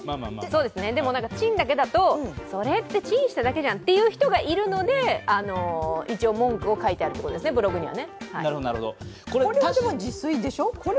でもチンだけだと、「それってチンしただけじゃん」と言う人がいるので一応、文句を書いてあるんですね、ブログでは。